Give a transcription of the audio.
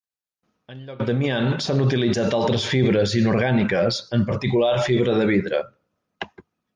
En lloc d'amiant s'han utilitzat altres fibres inorgàniques en particular fibra de vidre.